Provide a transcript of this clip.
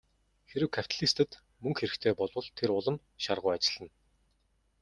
Хэрэв капиталистад мөнгө хэрэгтэй болбол тэр улам шаргуу ажиллана.